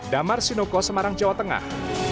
damar sinoko semarang jawa tengah